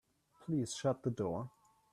Please shut the door.